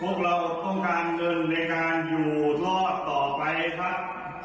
พวกเราต้องการเงินในการอยู่รอดต่อไปครับ